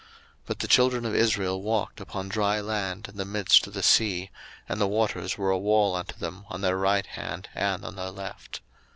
02:014:029 But the children of Israel walked upon dry land in the midst of the sea; and the waters were a wall unto them on their right hand, and on their left.